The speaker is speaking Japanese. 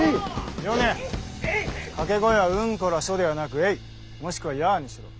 ヨネ掛け声は「うんこらしょ」ではなく「えい」もしくは「やあ」にしろ。